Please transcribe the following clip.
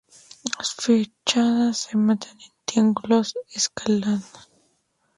Las fachadas rematan en triángulos escalonados.